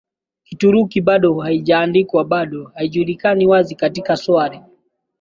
Kituruki bado haijaandikwa Bado haijulikani wazi katika swali